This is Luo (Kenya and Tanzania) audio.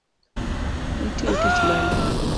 Itiyo tich mane?